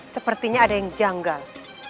sepertinya ada yang janggal